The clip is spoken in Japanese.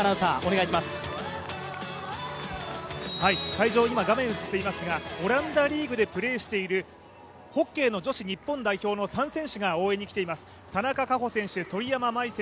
会場、今画面に映っていますが、オランダリーグでプレーしているホッケーの女子日本代表の３選手が応援に来ています。